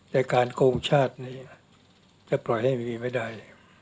แต่การโกงชาตินี้จะปล่อยให้มีไม่ได้